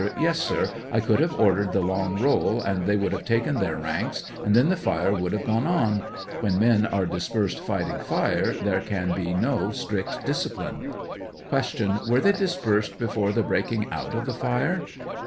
Yes, sir ; I could have ordered the long roll, and they would have taken their ranks, and then the fire would have gone on ; when men are dispersed fighting fire there can be no strict discipline. Q. Were they dispersed before the breaking out of the fire?